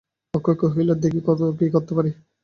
অক্ষয় কহিল, দেখি, কতদূর কী করিতে পারি।